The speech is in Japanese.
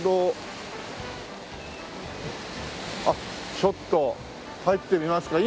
あっちょっと入ってみますか。